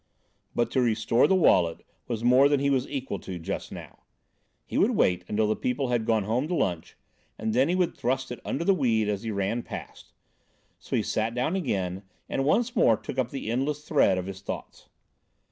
But to restore the wallet was more than he was equal to just now. He would wait until the people had gone home to lunch, and then he would thrust it under the weed as he ran past. So he sat down again and once more took up the endless thread of his thoughts.